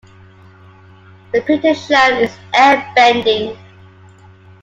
The picture shown is air bending.